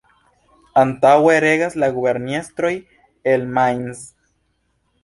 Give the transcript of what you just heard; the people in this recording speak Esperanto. Antaŭe regas la guberniestroj el Mainz.